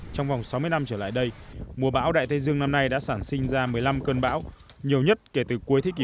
trong vòng sáu mươi năm trở lại đây mùa bão đại tây dương năm nay đã sản sinh ra một mươi năm cơn bão nhiều nhất kể từ cuối thế kỷ